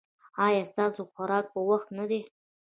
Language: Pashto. ایا ستاسو خوراک په وخت نه دی؟